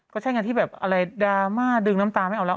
ก็ใช่ไงที่แบบอะไรดราม่าดึงน้ำตาไม่เอาแล้ว